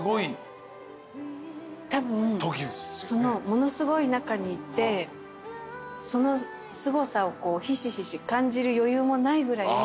ものすごい中にいてそのすごさをひしひし感じる余裕もないぐらい。